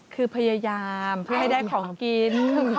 คือพยายามเพื่อให้ได้ของกิน